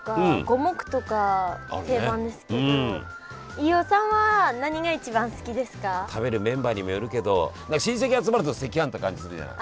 飯尾さんは食べるメンバーにもよるけど親戚集まると赤飯って感じするじゃない？